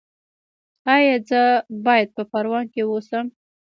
ایا زه باید په پروان کې اوسم؟